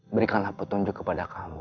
berikanlah petunjuk kepada kami